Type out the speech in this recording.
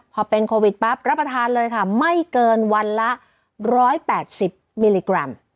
พอเป็นโควิดปั๊บรับประทานเลยค่ะไม่เกินวันละ๑๘๐มิลลิกรัม